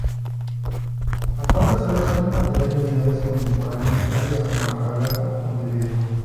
La cuarta sala expone material de unidades contemporáneas tales como la fragata Montevideo.